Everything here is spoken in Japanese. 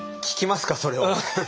聞きますかそれを。